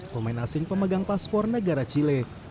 pemain asing pemegang paspor negara chile